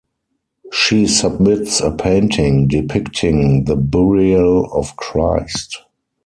She submits a painting depicting the burial of Christ.